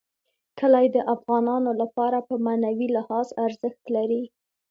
کلي د افغانانو لپاره په معنوي لحاظ ارزښت لري.